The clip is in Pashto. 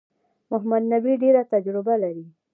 محمد نبي ډېره تجربه لري.